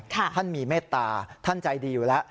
ท่านมีเมตตาท่านใจดีอยู่แล้ว